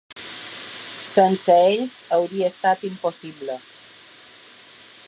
Sense ells, hauria estat impossible.